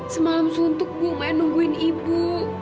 semalam suntuk bu main nungguin ibu